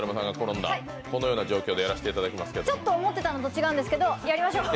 ちょっと思ってたのと違うんですけど、やりましょう。